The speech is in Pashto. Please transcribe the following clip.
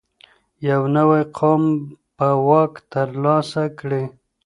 یو نوی قوم به واک ترلاسه کړي.